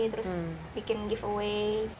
terus bikin giveaway